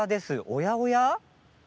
おやおや？